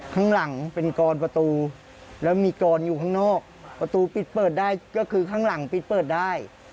ข้างหลังเป็นกรอนประตูแล้วมีกรอยู่ข้างนอกประตูปิดเปิดได้ก็คือข้างหลังปิดเปิดได้